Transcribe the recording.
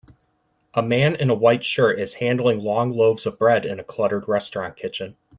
A man in a white shirt is handling long loaves of bread in a cluttered restaurant kitchen.